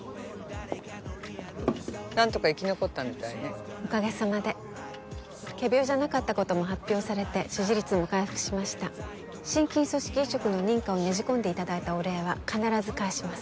何とか生き残ったみたいねおかげさまで仮病じゃなかったことも発表され支持率も回復しました心筋組織移植の認可をねじ込んでいただいたお礼は必ず返します